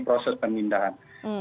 proses pemindahan itu tidak terjadi